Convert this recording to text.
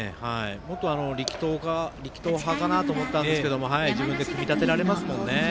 もっと力投派かなと思ったんですけど自分で組み立てられますもんね。